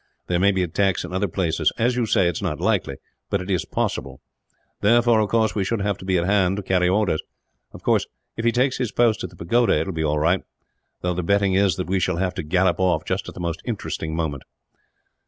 There may be attacks in other places. As you say, it is not likely; but it is possible. Therefore, of course, we should have to be at hand, to carry orders. Of course, if he takes his post at the pagoda it will be all right; though the betting is that we shall have to gallop off, just at the most interesting moment."